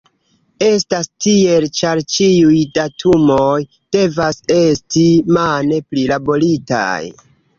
Estas tiel, ĉar ĉiuj datumoj devas esti mane prilaboritaj.